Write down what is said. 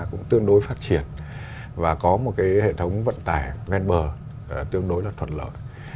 cũng tương đối phát triển và có một hệ thống vận tải ven bờ tương đối thuận lợi